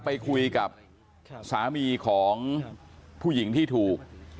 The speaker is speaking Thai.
ไปคุยกับสามีของผู้หญิงที่ถูก